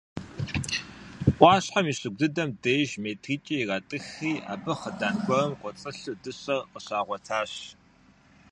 Ӏуащхьэм и щыгу дыдэм деж метритӏкӏэ иратӏыхри, абы хъыдан гуэрым кӏуэцӏылъу дыщэр къыщагъуэтащ.